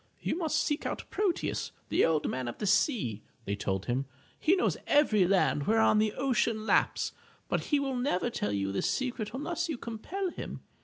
"You must seek out Proteus, the Old Man of the Sea/' they told him. "He knows every land whereon the ocean laps, but he will never tell you this secret unless you compel him.